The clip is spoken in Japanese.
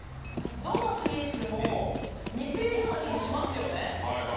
どのピースも似ているような気もしますよね。